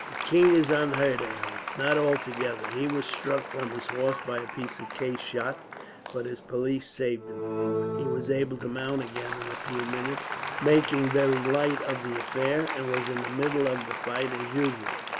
"The king is unhurt, I hope." "Not altogether. He was struck from his horse by a piece of case shot, but his pelisse saved him. He was able to mount again in a few minutes, making very light of the affair; and was in the middle of the fight, as usual.